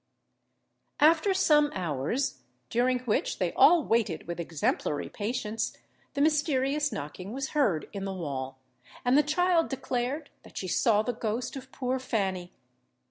After some hours, during which they all waited with exemplary patience, the mysterious knocking was heard in the wall, and the child declared that she saw the ghost of poor Fanny.